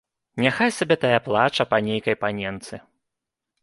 Няхай сабе тая плача па нейкай паненцы.